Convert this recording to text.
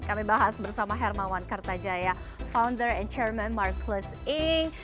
kami bahas bersama hermawan kartajaya founder and chairman mark klus ing